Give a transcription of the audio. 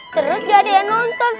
terus gak ada yang nonton